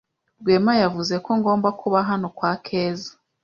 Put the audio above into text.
Rwema yavuze ko ngomba kuba hano kwa Keza.